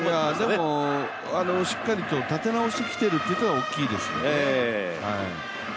でも、しっかりと立て直してきているってのが大きいですね。